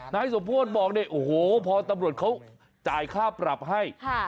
นายสมโพธิบอกเนี่ยโอ้โหพอตำรวจเขาจ่ายค่าปรับให้